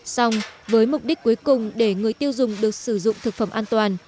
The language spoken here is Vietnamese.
xong với mục đích cuối cùng để người tiêu dùng được sử dụng thực phẩm an toàn